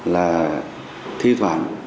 là thi thoảng